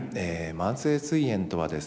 慢性すい炎とはですね